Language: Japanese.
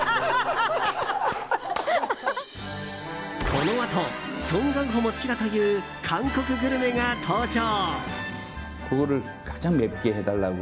このあと、ソン・ガンホも好きだという韓国グルメが登場。